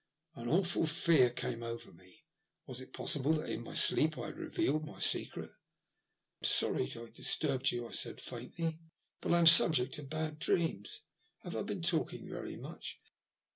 An awful fear oame over me. Was it possible that in my sleep I had revealed my secret ?" I am sorry I disturbed you," I said, faintly, " but I am subject to bad dreams. Have I been talking very much?"